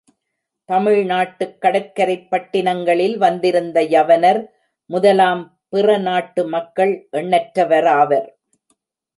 தமிழ் நாட்டுக் கடற்கரைப் பட்டினங்களில் வந்திருந்த யவனர் முதலாம் பிற நாட்டு மக்கள் எண்ணற்றவராவர்.